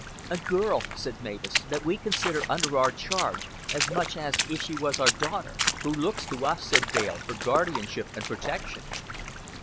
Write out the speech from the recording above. "A girl," said Mavis, "that we consider under our charge, as much as if she was our daughter." "Who looks to us," said Dale, "for guardianship and protection."